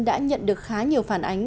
đã nhận được khá nhiều phản ánh